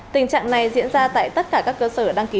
tình trạng này diễn ra tại tất cả các cơ sở đăng ký